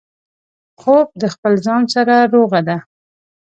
خوب د خپل ځان سره روغه ده